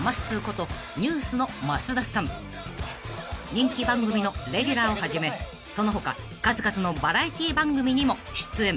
［人気番組のレギュラーをはじめその他数々のバラエティー番組にも出演］